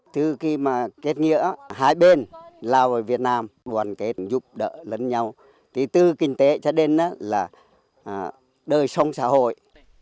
từ khi mà kết nghĩa hai bên lào ở việt nam đoàn kết giúp đỡ lẫn nhau thì từ kinh tế cho đến là đời sống xã hội